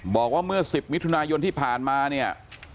บอกว่าเมื่อ๑๐มิถุนายนที่ผ่านมาเนี่ย